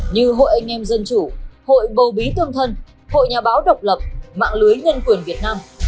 như hội anh em dân chủ hội bầu bí tương thân hội nhà báo độc lập mạng lưới nhân quyền việt nam